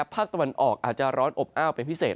ภาคตะวันออกอาจจะร้อนอบอ้าวเป็นพิเศษ